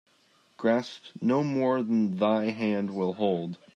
Grasp no more than thy hand will hold.